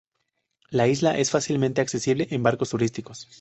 La isla es fácilmente accesible en barcos turísticos.